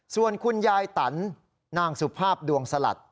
ส่วนคุณยายตันนางสุภาพดวงสลัด